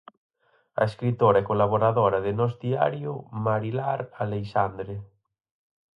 A escritora e colaboradora de 'Nós Diario' Marilar Aleixandre.